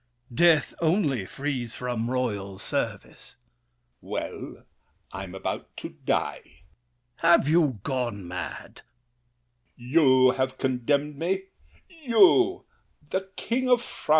Death, only, frees from royal service. L'ANGELY. Well, I am about to die! THE KING. Have you gone mad? L'ANGELY. You have condemned me—you, the King of France!